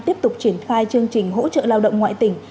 tiếp tục triển khai chương trình hỗ trợ lao động ngoại tỉnh